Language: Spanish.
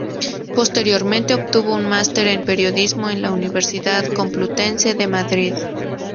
Posteriormente obtuvo un Master en periodismo en la Universidad Complutense de Madrid.